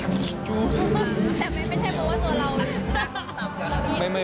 แต่ไม่ใช่เพราะว่าตัวเรา